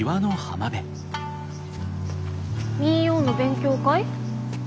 民謡の勉強会？